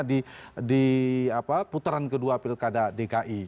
di putaran kedua pilkada dki